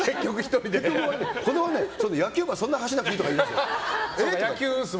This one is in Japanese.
野球部はそんなに走らなくていいとか言うんですよ。